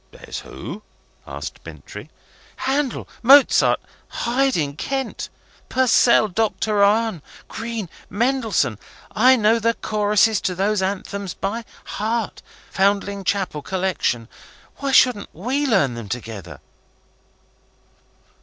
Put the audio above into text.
"There's who?" asked Bintrey. "Handel, Mozart, Haydn, Kent, Purcell, Doctor Arne, Greene, Mendelssohn. I know the choruses to those anthems by heart. Foundling Chapel Collection. Why shouldn't we learn them together?"